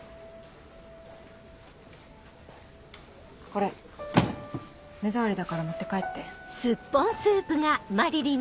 これ目障りだから持って帰って。